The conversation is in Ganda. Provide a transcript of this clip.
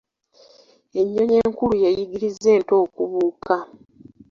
Ennyonyi enkulu y’eyigiriza ento okubuuka